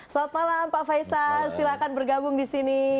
selamat malam pak faisal silakan bergabung di sini